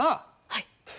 はい。